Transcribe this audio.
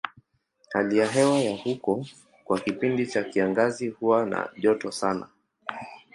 Hali ya hewa ya huko kwa kipindi cha kiangazi huwa na joto sana.